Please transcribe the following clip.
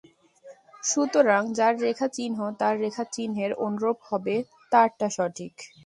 সুতরাং যার রেখা চিহ্ন তাঁর রেখা চিহ্নের অনুরূপ হবে তাঁরটা সঠিক।